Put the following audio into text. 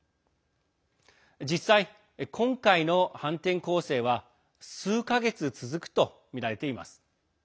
実際、今回の反転攻勢は数か月続くとみられています。